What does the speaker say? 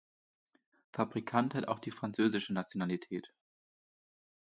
Fabrikant hat auch die französische Nationalität.